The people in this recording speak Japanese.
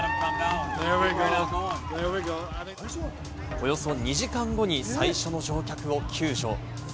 およそ２時間後に最初の乗客を救助。